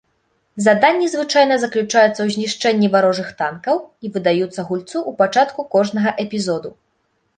Заданні звычайна заключаюцца ў знішчэнні варожых танкаў і выдаюцца гульцу ў пачатку кожнага эпізоду.